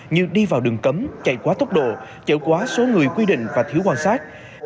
như đi vào đường cấm chạy quá tốc độ chở quá số người quy định và thiếu quan sát